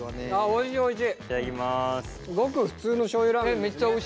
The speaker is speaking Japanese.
おいしいおいしい。